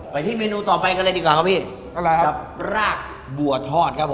ไปที่เมนูต่อไปกันเลยดีกว่าครับพี่อะไรครับรากบัวทอดครับผม